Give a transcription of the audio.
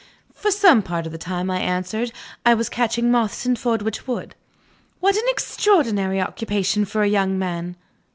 "For some part of the time," I answered, "I was catching moths in Fordwitch Wood." "What an extraordinary occupation for a young man!